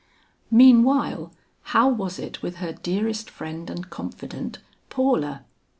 Meanwhile how was it with her dearest friend and confident, Paula?